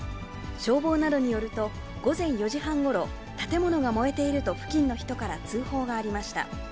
消防などによると、午前４時半ごろ、建物が燃えていると付近の人から通報がありました。